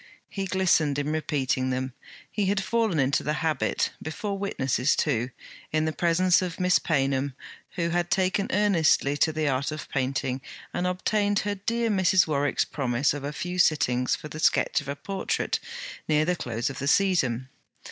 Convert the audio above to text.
He glistened in repeating them; he had fallen into the habit; before witnesses too; in the presence of Miss Paynham, who had taken earnestly to the art of painting, and obtained her dear Mrs. Warwick's promise of a few sittings for the sketch of a portrait, near the close of the season.